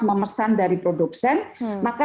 memesan dari produsen maka